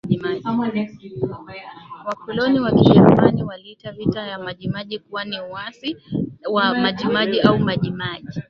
Wakoloni wa Kijerumani waliita Vita ya Majimaji kuwa ni uasi wa Majimaji au Majimaji